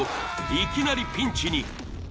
いきなりピンチに。